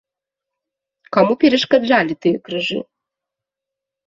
Каму перашкаджалі тыя крыжы?